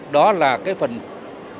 đó là cái phần nguyên liệu